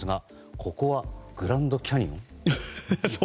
ここはグランドキャニオン？